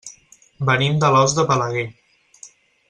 Venim d'Alòs de Balaguer.